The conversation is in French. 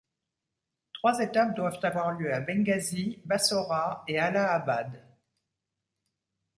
Trois étapes doivent avoir lieu à Benghazi, Bassorah et Allahabad.